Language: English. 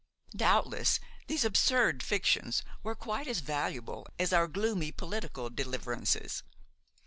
Doubtless these absurd fictions were quite as valuable as our gloomy political deliverances!